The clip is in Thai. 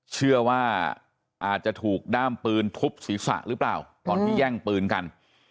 เชื่อว่าอาจจะถูกด้ามปืนทุบศีรษะหรือเปล่าตอนที่แย่งปืนกัน